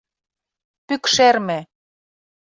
Пӱкшерме.